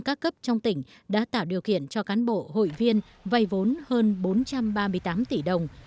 các cấp trong tỉnh đã tạo điều kiện cho cán bộ hội viên vây vốn hơn bốn trăm ba mươi tám tỷ đồng